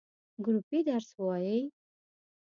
ګروپی درس وایی؟